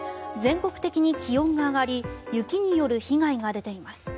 全国的に気温が上がり雪による被害が出ています。